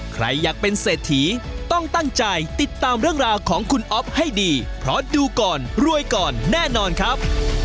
ใครอยากเป็นเศรษฐีต้องตั้งใจติดตามเรื่องราวของคุณอ๊อฟให้ดีเพราะดูก่อนรวยก่อนแน่นอนครับ